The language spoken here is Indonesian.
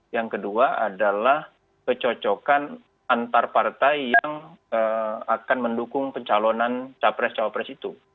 yang kedua adalah kecocokan antar partai yang akan mendukung pencalonan capres cawapres itu